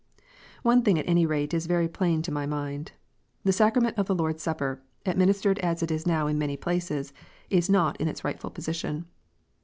One thing at any rate is very plain to my mind : the sacrament of the Lord s Supper, administered as it is now in many places, is not in its rightful position.